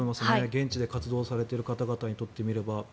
現地で活動されてる方々にとってみれば。